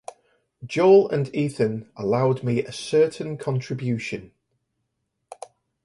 Joel and Ethan allowed me a certain contribution.